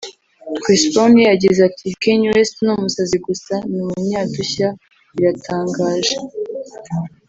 Chris Brown we yagize ati “Kanye West ni umusazi gusa ni umunyadushya biratangaje